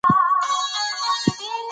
د هېواد مرکز د افغانستان طبعي ثروت دی.